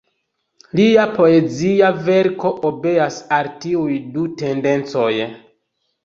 Lia poezia verko obeas al tiuj du tendencoj.